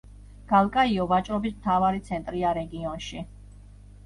გალკაიო ვაჭრობის მთავარი ცენტრია რეგიონში.